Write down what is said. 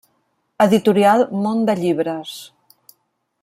Editorial Món de Llibres.